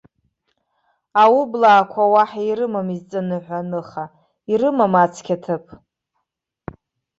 Аублаақәа уаҳа ирымам изҵаныҳәо аныха, ирымам ацқьа ҭыԥ!